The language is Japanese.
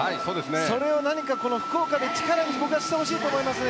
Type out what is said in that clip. それを福岡で力に僕はしてほしいと思います。